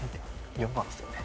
４番ですよね